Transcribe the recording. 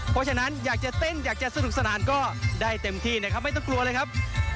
เพราะฉะนั้นอยากจะเต้นอยากจะสนุกสนานก็ได้เต็มที่นะครับไม่ต้องกลัวเลยครับ